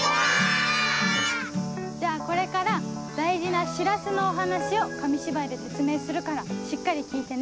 じゃあこれから大事な「しらす」のお話を紙芝居で説明するからしっかり聞いてね。